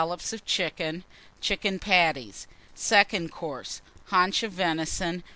Flowers. Chickens. Chicken Patties. Second Course. Haunch of Venison.